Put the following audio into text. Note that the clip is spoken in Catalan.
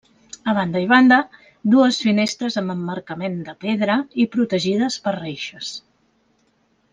A banda i banda, dues finestres amb emmarcament de pedra i protegides per reixes.